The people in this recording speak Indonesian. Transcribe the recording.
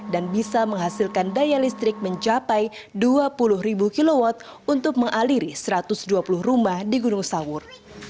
dan bisa menghasilkan daya listrik mencapai dua puluh kw untuk mengaliri satu ratus dua puluh rumah di gunung sawur